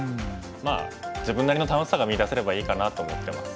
まあ自分なりの楽しさが見いだせればいいかなって思ってます。